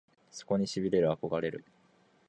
そこに痺れる憧れる